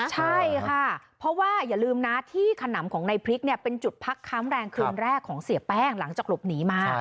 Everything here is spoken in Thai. ใช่ค่ะเพราะว่าอย่าลืมนะที่ขนำของในพริกเนี่ยเป็นจุดพักค้างแรงคืนแรกของเสียแป้งหลังจากหลบหนีมา